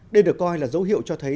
đây được coi là dấu hiệu cho thấy